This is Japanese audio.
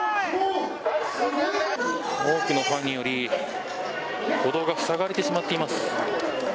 多くのファンにより歩道がふさがれてしまっています。